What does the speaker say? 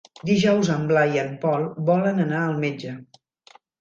Dijous en Blai i en Pol volen anar al metge.